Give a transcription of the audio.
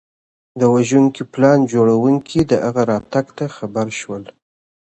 د وژنې پلان جوړونکي د هغه راتګ ته خبر شول.